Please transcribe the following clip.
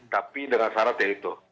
tapi dengan syaratnya itu